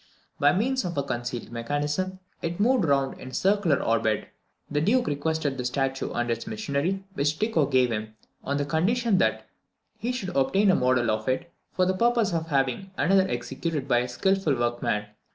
By means of a concealed mechanism, it moved round in a circular orbit. The Duke requested the statue and its machinery, which Tycho gave him, on the condition that he should obtain a model of it, for the purpose of having another executed by a skilful workman.